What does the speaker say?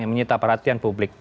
yang menyita perhatian publik